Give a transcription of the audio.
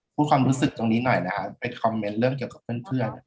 ความรู้สึกตรงนี้หน่อยนะครับไปคอมเมนต์เรื่องเกี่ยวกับเพื่อน